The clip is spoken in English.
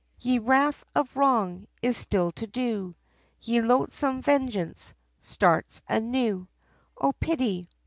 YE wrath of wrong, is still to do, Ye loathsome vengeance, starts anew, O pity!